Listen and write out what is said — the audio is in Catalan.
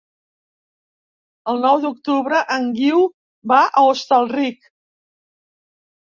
El nou d'octubre en Guiu va a Hostalric.